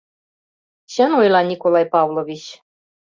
Чын ойла Николай Павлович.